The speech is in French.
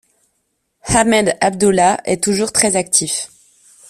Ahmed Abdullah est toujours très actif.